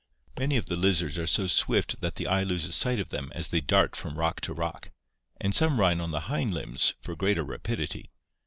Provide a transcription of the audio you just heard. Many of the lizards are so swift that the eye loses sight of them as they dart from rock to rock, and some run on the hind limbs for greater rapidity.